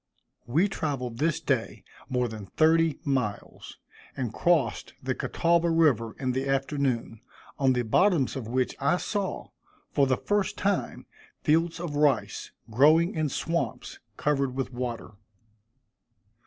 We traveled this day more than thirty miles, and crossed the Catawba river in the afternoon, on the bottoms of which I saw, for the first time, fields of rice, growing in swamps covered with water.